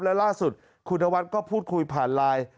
และล่าสุดคุณนวัดก็พูดคุยผ่านไลน์